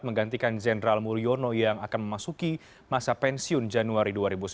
menggantikan jenderal mulyono yang akan memasuki masa pensiun januari dua ribu sembilan belas